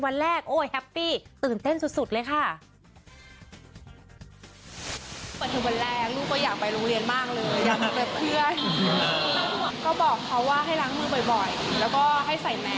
เด็กสมัยนี้เขาค่อนข้างเข้าใจนะคะ